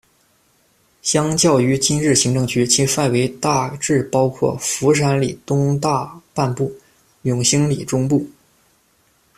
相较于今日行政区，其范围大致包括福山里东大半部、永兴里中部。